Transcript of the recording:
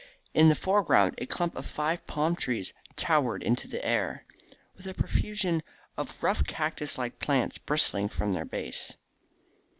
In the foreground a clump of five palm trees towered into the air, with a profusion of rough cactus like plants bristling from their base.